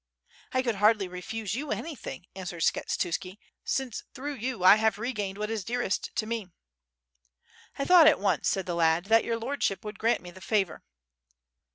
*' "I could hardly refuse you anything," answered Skshe tuski, "since through you I have regained what is dearest to me.'' "I thought at once," said tha lad, "that your lordship would grant me the favor."